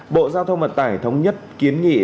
bộ giao thông vận tải thống nhất kiến nghị